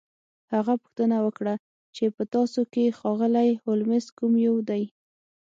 هغه پوښتنه وکړه چې په تاسو کې ښاغلی هولمز کوم یو دی